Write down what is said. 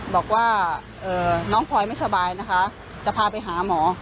บอกว่าน้องพลอยไม่สบายนะคะจะพาไปหาหมอ